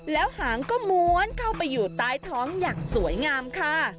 แล้วหางก็ม้วนเข้าไปอยู่ใต้ท้องอย่างสวยงามค่ะ